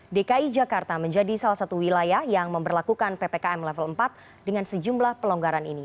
dki jakarta menjadi salah satu wilayah yang memperlakukan ppkm level empat dengan sejumlah pelonggaran ini